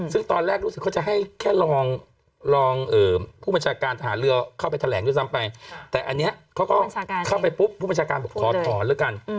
ซึ่งตอนแรกรู้สึกเขาจะให้แค่รองผู้บัญชาการฐานเรือเข้าไปแถลงด้วยซ้ำไปแต่อันนี้เขาก็เข้าไปปุ๊บผู้บัญชาการบอกขอถอนแล้วกัน